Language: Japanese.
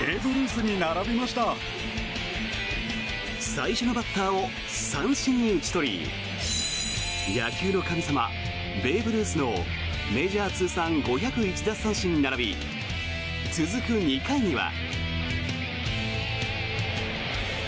最初のバッターを三振に打ち取り野球の神様、ベーブ・ルースのメジャー通算５０１奪三振に並び続く２回には。